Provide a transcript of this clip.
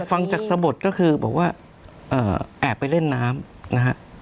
แต่ฟังจากสบทก็คือบอกว่าแอบไปเล่นน้ำนะครับ